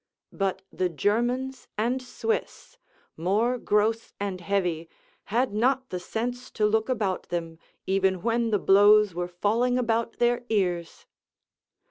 But the Germans and Swiss, more gross and heavy, had not the sense to look about them, even when the blows were falling about their ears.